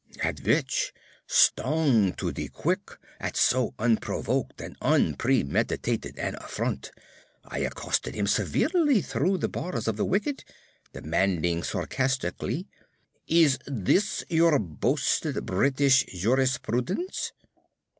At which, stung to the quick at so unprovoked and unpremeditated an affront, I accosted him severely through the bars of the wicket, demanding sarcastically, "Is this your boasted British Jurisprudence?"